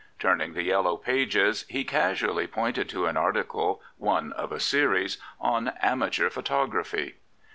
Turning the yellow pages, he casually pointed to an article, one of a series, on " Amateur Photography."